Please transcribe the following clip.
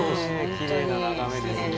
きれいな眺めですね。